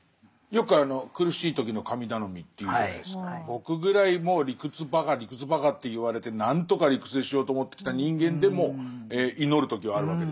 僕ぐらいもう理屈バカ理屈バカと言われて何とか理屈にしようと思ってきた人間でも祈る時はあるわけですよ。